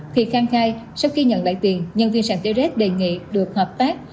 thì khang khai sau khi nhận lại tiền nhân viên sàn trs đề nghị được hợp tác